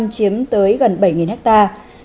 chiếm tới gần bảy hectare